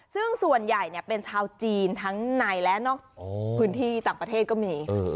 ซึ่งส่วนใหญ่เป็นชาวจีนทั้งในและนอกพื้นที่ต่างประเทศก็มี